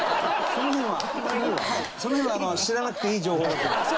その辺は知らなくていい情報だから沙夜ちゃんは。